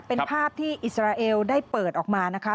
เป็นภาพที่อิสราเอลได้เปิดออกมานะคะ